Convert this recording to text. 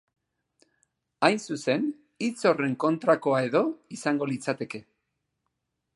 Hain zuzen, hitz horren kontrakoa edo izango litzateke.